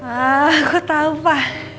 aku tahu pa